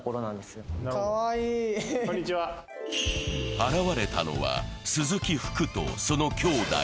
現れたのは、鈴木福とその兄弟。